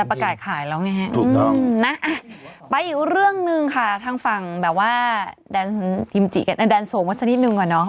แต่ประกาศขายแล้วไงฮะนะไปอีกเรื่องนึงค่ะทางฝั่งแบบว่าแดนโสมสักนิดนึงก่อนเนอะ